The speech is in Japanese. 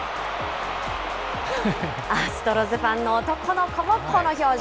アストロズファンの男の子もこの表情。